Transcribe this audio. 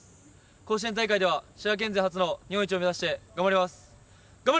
甲子園大会では滋賀県勢初の日本一を目指して頑張ります。